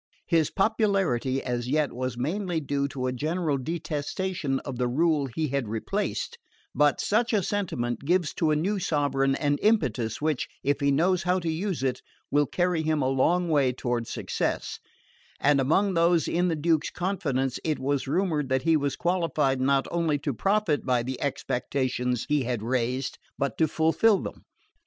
His popularity, as yet, was mainly due to a general detestation of the rule he had replaced; but such a sentiment gives to a new sovereign an impetus which, if he knows how to use it, will carry him a long way toward success; and among those in the Duke's confidence it was rumoured that he was qualified not only to profit by the expectations he had raised but to fulfil them.